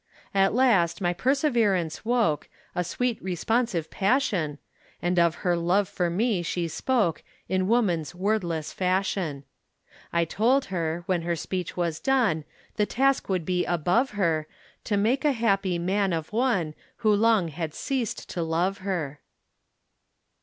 At last my perseverance woke A sweet responsive passion, And of her love for me she spoke In woman's wordless fashion. I told her, when her speech was done, The task would be above her To make a happy man of one Who long had ceased to love her.